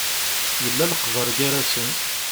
Yella leqder gar-asen.